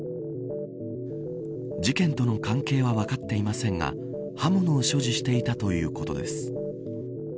事件との関係は分かっていませんが刃物を所持していたということです。